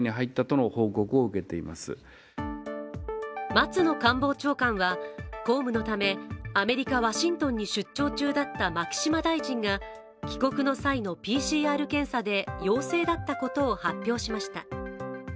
松野官房長官は公務のためアメリカ・ワシントンに出張中だった牧島大臣が帰国の際のＰＣＲ検査で陽性だったことを発表しました。